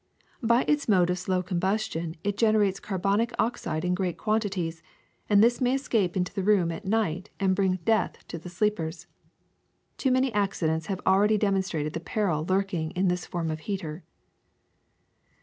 By its mode of slow combustion it generates carbonic oxide in great quantities, and this may escape into the room at night and bring death to the sleepers. Too many accidents have already demonstrated the peril lurk ing in this form of heater.